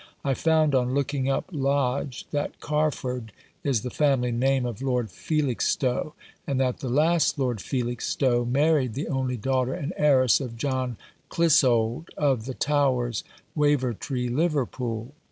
I found on looking up Lodge that Carford is the family name of Lord Felixstowe, and that the last Lord Felixstowe married the only daughter and heiress of John Clissold, of the Towers, Wavertree, Liverpool.